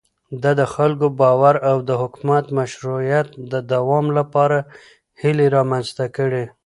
ده د خلکو باور او د حکومت مشروعيت د دوام لپاره هيلې رامنځته کړې.